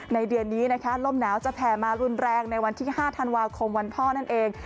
เดือนนี้นะคะลมหนาวจะแผ่มารุนแรงในวันที่๕ธันวาคมวันพ่อนั่นเอง